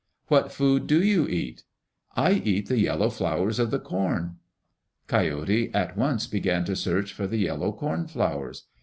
"What food do you eat?" "I eat the yellow flowers of the corn." Coyote at once began to search for the yellow corn flowers.